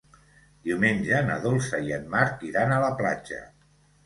Diumenge na Dolça i en Marc iran a la platja.